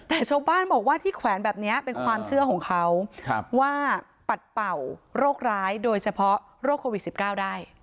แต่ชาวบ้านบอกว่าที่แขวนแบบนี้เป็นความเชื่อของเขาว่าปัดเป่าโรคร้ายโดยเฉพาะโรคโควิด๑๙ได้